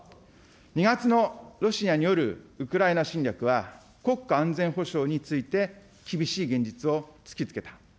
２月のロシアによるウクライナ侵略は、国家安全保障について厳しい現実を突きつけた。